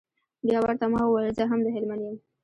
بيا ورته ما وويل زه هم د هلمند يم.